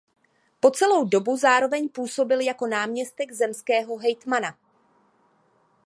Po celou dobu zároveň působil jako náměstek zemského hejtmana.